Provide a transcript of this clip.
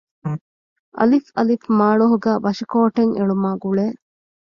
އއ. މާޅޮހުގައި ބަށިކޯޓެއް އެޅުމާގުޅޭ